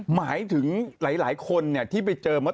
หมายถึงหลายคนที่ไปเจอเมื่อ